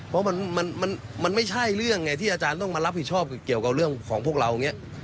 เพราะมันไม่ใช่เรื่องไงที่อาจารย์ต้องมารับผิดชอบเกี่ยวกับเรื่องของพวกเราอย่างนี้